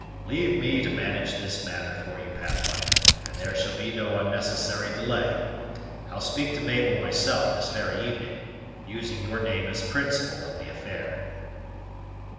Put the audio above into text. Leave me to manage this matter for you, Pathfinder, and there shall be no unnecessary delay. I'll speak to Mabel myself this very evening, using your name as principal in the affair."